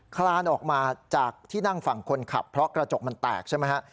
คลานออกมาจากที่นั่งฝั่งคนขับเพราะกระจกมันแตกใช่ไหมฮะ